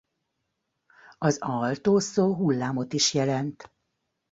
Az aalto szó hullámot is jelent.